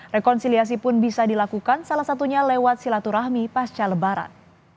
rekonsiliasi pun bisa dilakukan salah satunya lewat silaturahmi pasca lebaran